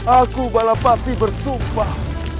aku balapati bersumpah